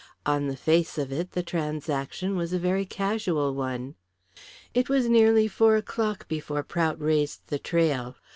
On the face of it, the transaction was a very casual one. It was nearly four o'clock before Prout raised the trail.